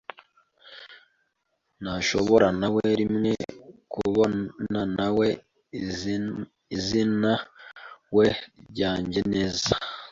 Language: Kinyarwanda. ntashobora nawe rimwe kubonawe izinawe ryanjye neza.